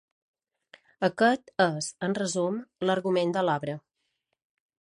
Aquest és, en resum, l'argument de l'obra.